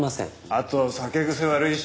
あと酒癖悪いし。